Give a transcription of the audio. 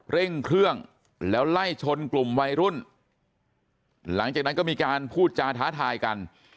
เร่งเครื่องแล้วไล่ชนกลุ่มวัยรุ่นหลังจากนั้นก็มีการพูดจาท้าทายกัน